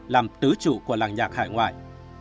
làm tứ chủ của làng nhạc hải ngoại